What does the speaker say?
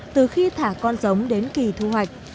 từ khi thả con giống đến kỳ thu hoạch